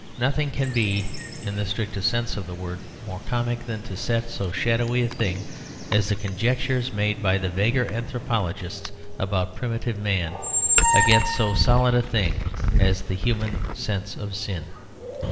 Nothing can be, in the strictest sense of the word, more comic than to set so shadowy a thing as the conjectures made by the vaguer anthropologists about primitive man against so solid a thing as the human sense of sin.